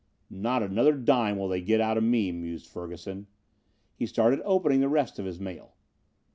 "Not another dime will they get out of me," mused Ferguson. He started opening the rest of his mail.